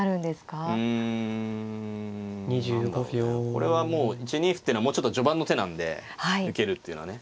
これはもう１二歩っていうのはもうちょっと序盤の手なんで受けるっていうのはね。